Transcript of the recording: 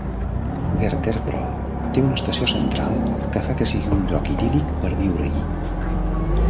Vesterbro té una estació central que fa que sigui un lloc idíl·lic per viure-hi.